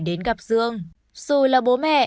đến gặp dương dù là bố mẹ